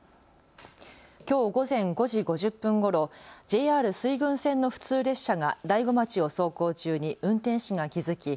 きょう午前５時５０分ごろＪＲ水郡線の普通列車が大子町を走行中に運転士が気付き